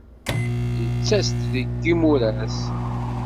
Yettas-d deg yimuras.